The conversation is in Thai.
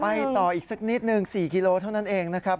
ต่ออีกสักนิดนึง๔กิโลเท่านั้นเองนะครับ